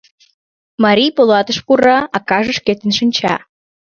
Марий полатыш пура, акаже шкетын шинча.